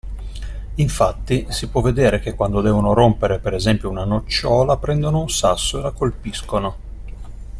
Infatti, si può vedere che quando devono rompere, per esempio, una nocciola prendono un sasso e la colpiscono.